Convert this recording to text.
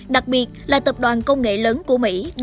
đặc biệt là tập đoàn công nghệ lớn của mỹ